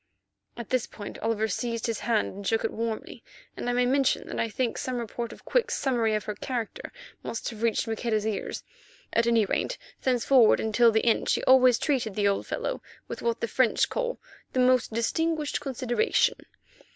At this point Oliver seized his hand and shook it warmly, and I may mention that I think some report of Quick's summary of her character must have reached Maqueda's ears. At any rate, thenceforward until the end she always treated the old fellow with what the French call the "most distinguished consideration."